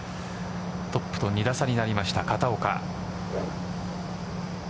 トップと２打差になりました片岡。